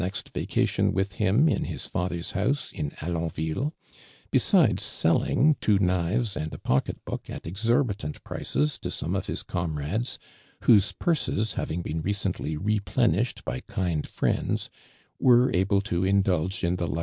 xt vacatioji with him in hi ' fathers hous<N in Alonville, besides selling two knives and a i)ocket book at exorbifmt juices to some of his comrades, whose purses having lieen recently replen ished by kind friends, wei'c able to indulge in the lu.